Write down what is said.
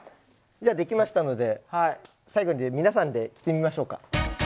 じゃできましたので最後に皆さんで着てみましょうか。